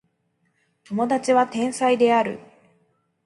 友達は天才である